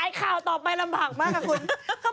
ข่าวต่อไปลำบากมากค่ะคุณ